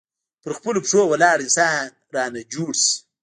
پر خپلو پښو ولاړ انسان رانه جوړ شي.